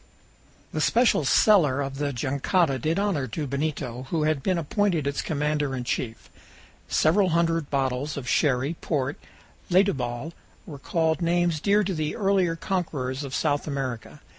The special cellar of the jangada did honor to Benito, who had been appointed its commander in chief. Several hundred bottles of sherry, port, and letubal recalled names dear to the earlier conquerors of South America.